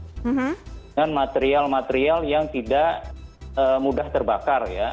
dengan material material yang tidak mudah terbakar ya